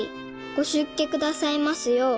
「ご出家くださいますよう」